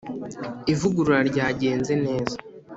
Ivugurura ryagenze neza.